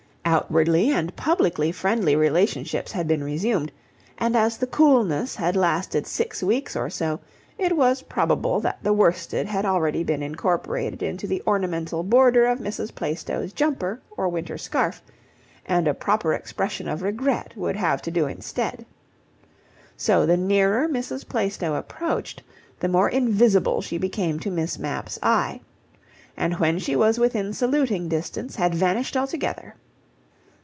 Outwardly and publicly friendly relationships had been resumed, and as the coolness had lasted six weeks or so, it was probable that the worsted had already been incorporated into the ornamental border of Mrs. Plaistow's jumper or winter scarf, and a proper expression of regret would have to do instead. So the nearer Mrs. Plaistow approached, the more invisible she became to Miss Mapp's eye, and when she was within saluting distance had vanished altogether.